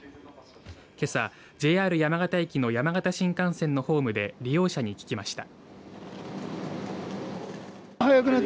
けさＪＲ山形行きの山形新幹線のホームで利用者に聞きました。